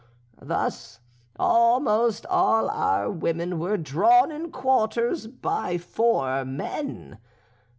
Thus almost all our women were drawn in quarters by four men.